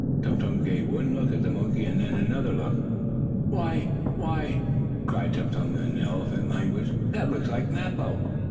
Tum Tum gave one look at the monkey, and then another look. "Why why!" cried Tum Tum, in elephant language. "That looks like Mappo."